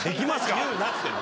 言うなって。